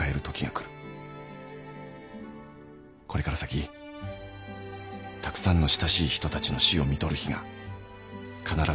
これから先たくさんの親しい人たちの死をみとる日が必ず来るはずです。